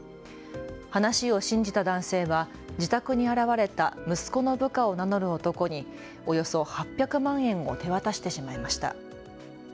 話を信じた男性は自宅に現れた息子の部下を名乗る男におよそ８００万円を手渡してしまいました。